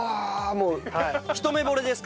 もう一目惚れです。